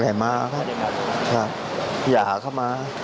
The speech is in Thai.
ไหนมาครับอยากเข้ามา